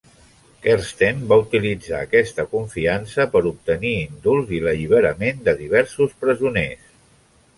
Kersten va utilitzar aquesta confiança per obtenir indults i l'alliberament de diversos presoners.